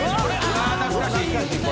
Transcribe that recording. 懐かしい！